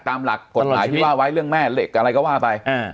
ตามหลักกฎหมายที่ว่าไว้เรื่องแม่เหล็กอะไรก็ว่าไป